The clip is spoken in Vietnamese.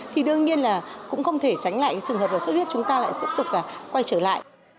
thì đương nhiên là cũng không thể tránh lại trường hợp đột xuất huyết chúng ta lại tiếp tục quay trở lại